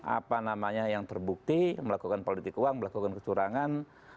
apa namanya yang terbukti melakukan politik uang melakukan kecurangan